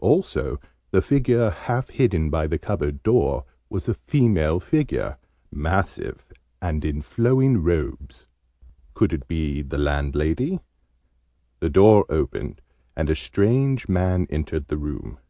Also the figure half hidden by the cupboard door was a female figure, massive, and in flowing robes. Could it be the landlady? The door opened, and a strange man entered the room.